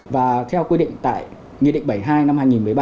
và theo quy định tại nghị định bảy mươi hai năm hai nghìn một mươi ba